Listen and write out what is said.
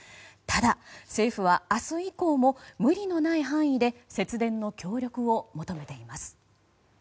ただ、政府は明日以降も無理のない範囲で節電の協力を求めています。